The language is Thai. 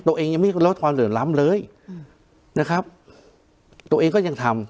ยังไม่ลดความเหลือล้ำเลยนะครับตัวเองก็ยังทำ